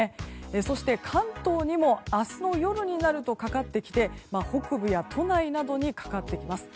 そして関東にも明日の夜になるとかかってきて北部や都内などにかかってきます。